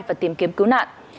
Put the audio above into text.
và tìm kiếm cứu nạn